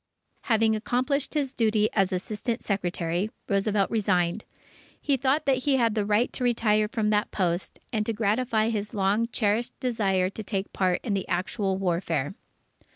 Having accomplished his duty as Assistant Secretary, Roosevelt resigned. He thought that he had a right to retire from that post, and to gratify his long cherished desire to take part in the actual warfare.